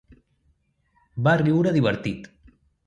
Va riure divertit.